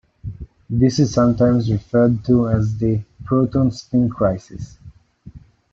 This is sometimes referred to as the "proton spin crisis".